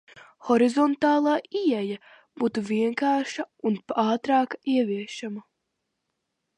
Horizontāla pieeja būtu vienkāršāka un ātrāk ieviešama.